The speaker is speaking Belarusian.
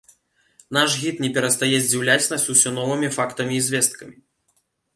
Наш гід не перастае здзіўляць нас усё новымі фактамі і звесткамі.